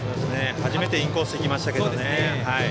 初めてインコースに行きましたけどね。